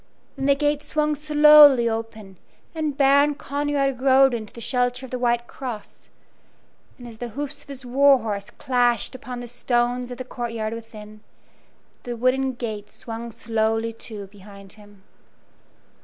Then the gate swung slowly open, and Baron Conrad rode into the shelter of the White Cross, and as the hoofs of his war horse clashed upon the stones of the courtyard within, the wooden gate swung slowly to behind him.